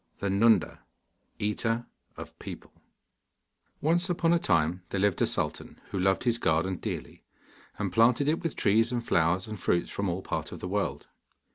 THE NUNDA, EATER OF PEOPLE Once upon a time there lived a sultan who loved his garden dearly, and planted it with trees and flowers and fruits from all parts of the world.